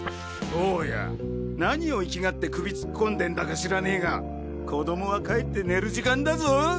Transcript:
坊や何を粋がって首突っこんでんだか知らねぇが子供は帰って寝る時間だぞ！